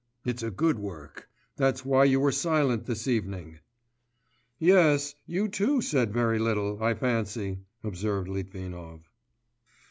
It's a good work. That's why you were silent this evening.' 'Yes; you too said very little, I fancy,' observed Litvinov.